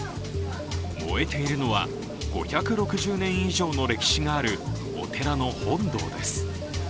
燃えているのは、５６０年以上の歴史があるお寺の本堂です。